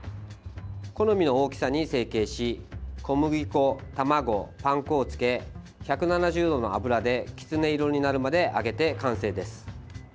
好みの大きさに成形し小麦粉、卵、パン粉をつけ１７０度の油でキツネ色になるまで揚げて完成です。